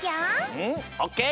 うんオッケー！